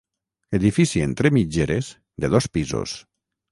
Edifici entre mitgeres, de dos pisos.